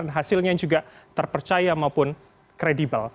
dan hasilnya juga terpercaya maupun kredibel